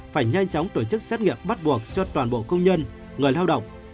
phải nhanh chóng tổ chức xét nghiệm bắt buộc cho toàn bộ công nhân người lao động